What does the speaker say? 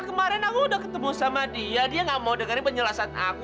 kemarin aku udah ketemu sama dia dia gak mau dengerin penjelasan aku